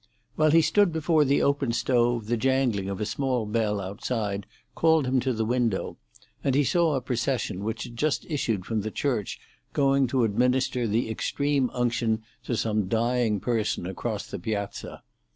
While he stood before the open stove, the jangling of a small bell outside called him to the window, and he saw a procession which had just issued from the church going to administer the extreme unction to some dying person across the piazza.